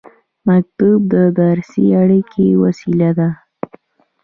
مکتوب د رسمي اړیکې وسیله ده